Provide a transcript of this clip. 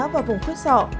vào vùng khuyết sọ